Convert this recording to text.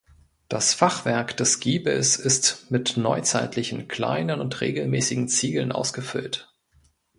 Das Fachwerk des Giebels ist mit neuzeitlichen kleinen und regelmäßigen Ziegeln ausgefüllt.